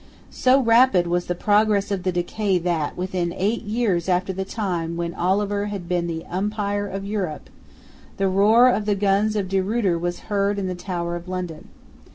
So rapid was the progress of the decay that, within eight years after the time when Oliver had been the umpire of Europe, the roar of the guns of De Ruyter was heard in the Tower of London.